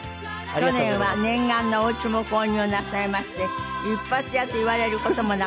去年は念願のおうちも購入なさいまして一発屋と言われる事もなくなったという。